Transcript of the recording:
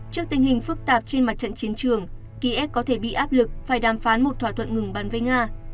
trước tình hình phức tạp trên mặt trận chiến trường kiev có thể bị áp lực phải đàm phán một thỏa thuận ngừng bắn với nga